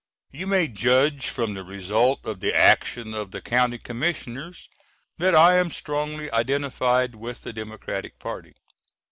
You may judge from the result of the action of the County Commissioners that I am strongly identified with the Democratic party.